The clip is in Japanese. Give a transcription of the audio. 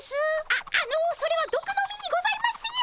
あっあのそれはどくの実にございますよ。